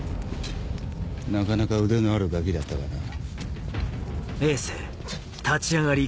なかなか腕のあるガキだったがな。